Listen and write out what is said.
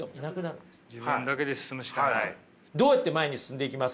どうやって前に進んでいきます？